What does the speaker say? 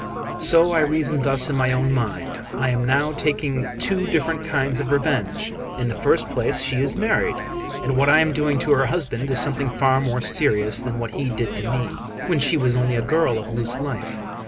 So I reasoned thus in my own mind: "I am now taking two different kinds of revenge. In the first place, she is married; and what I am doing to her husband is something far more serious than what he did to me, when she was only a girl of loose life.